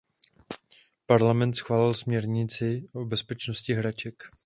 Parlament schválil směrnici o bezpečnosti hraček.